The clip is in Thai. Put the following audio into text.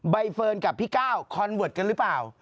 ใบเฟิร์นกับพี่ก้าวคอนเวิร์ตกันหรือเปล่า